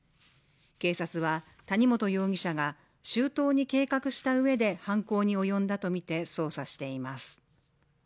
警察は谷本容疑者が周到に計画したうえで犯行に及んだとみて捜査しています。